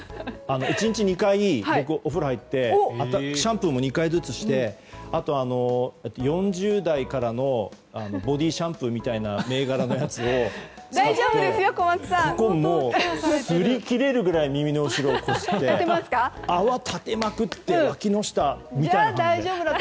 １日２回お風呂入ってシャンプーも２回ずつして４０代からのボディーシャンプーみたいな銘柄のやつを使っていまして、耳の後ろを擦り切れるぐらいこすって泡立てまくってわきの下も洗って。